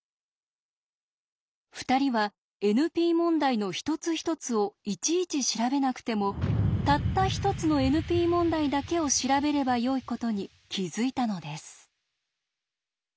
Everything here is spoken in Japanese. ２人はＮＰ問題の一つ一つをいちいち調べなくてもたった１つのＮＰ問題だけを調べればよいことに気付いたのです。